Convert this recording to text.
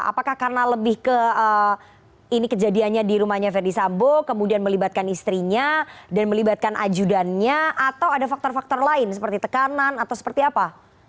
apakah karena lebih ke ini kejadiannya di rumahnya verdi sambo kemudian melibatkan istrinya dan melibatkan ajudannya atau ada faktor faktor lain seperti tekanan atau seperti apa